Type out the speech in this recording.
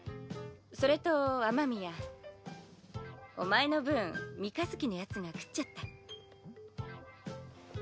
それと雨宮お前の分三日月のヤツが食っちゃった。